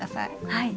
はい。